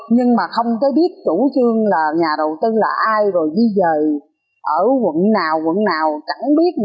nhưng mà không tới biết chủ trương là nhà đầu tư là ai rồi đi về ở quận nào quận nào chẳng biết nữa